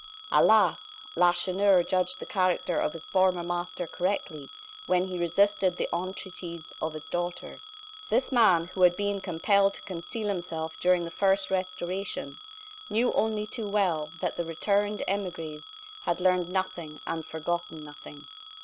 Alas! Lacheneur judged the character of his former master correctly, when he resisted the entreaties of his daughter. This man, who had been compelled to conceal himself during the first Restoration, knew only too well, that the returned emigres had learned nothing and forgotten nothing.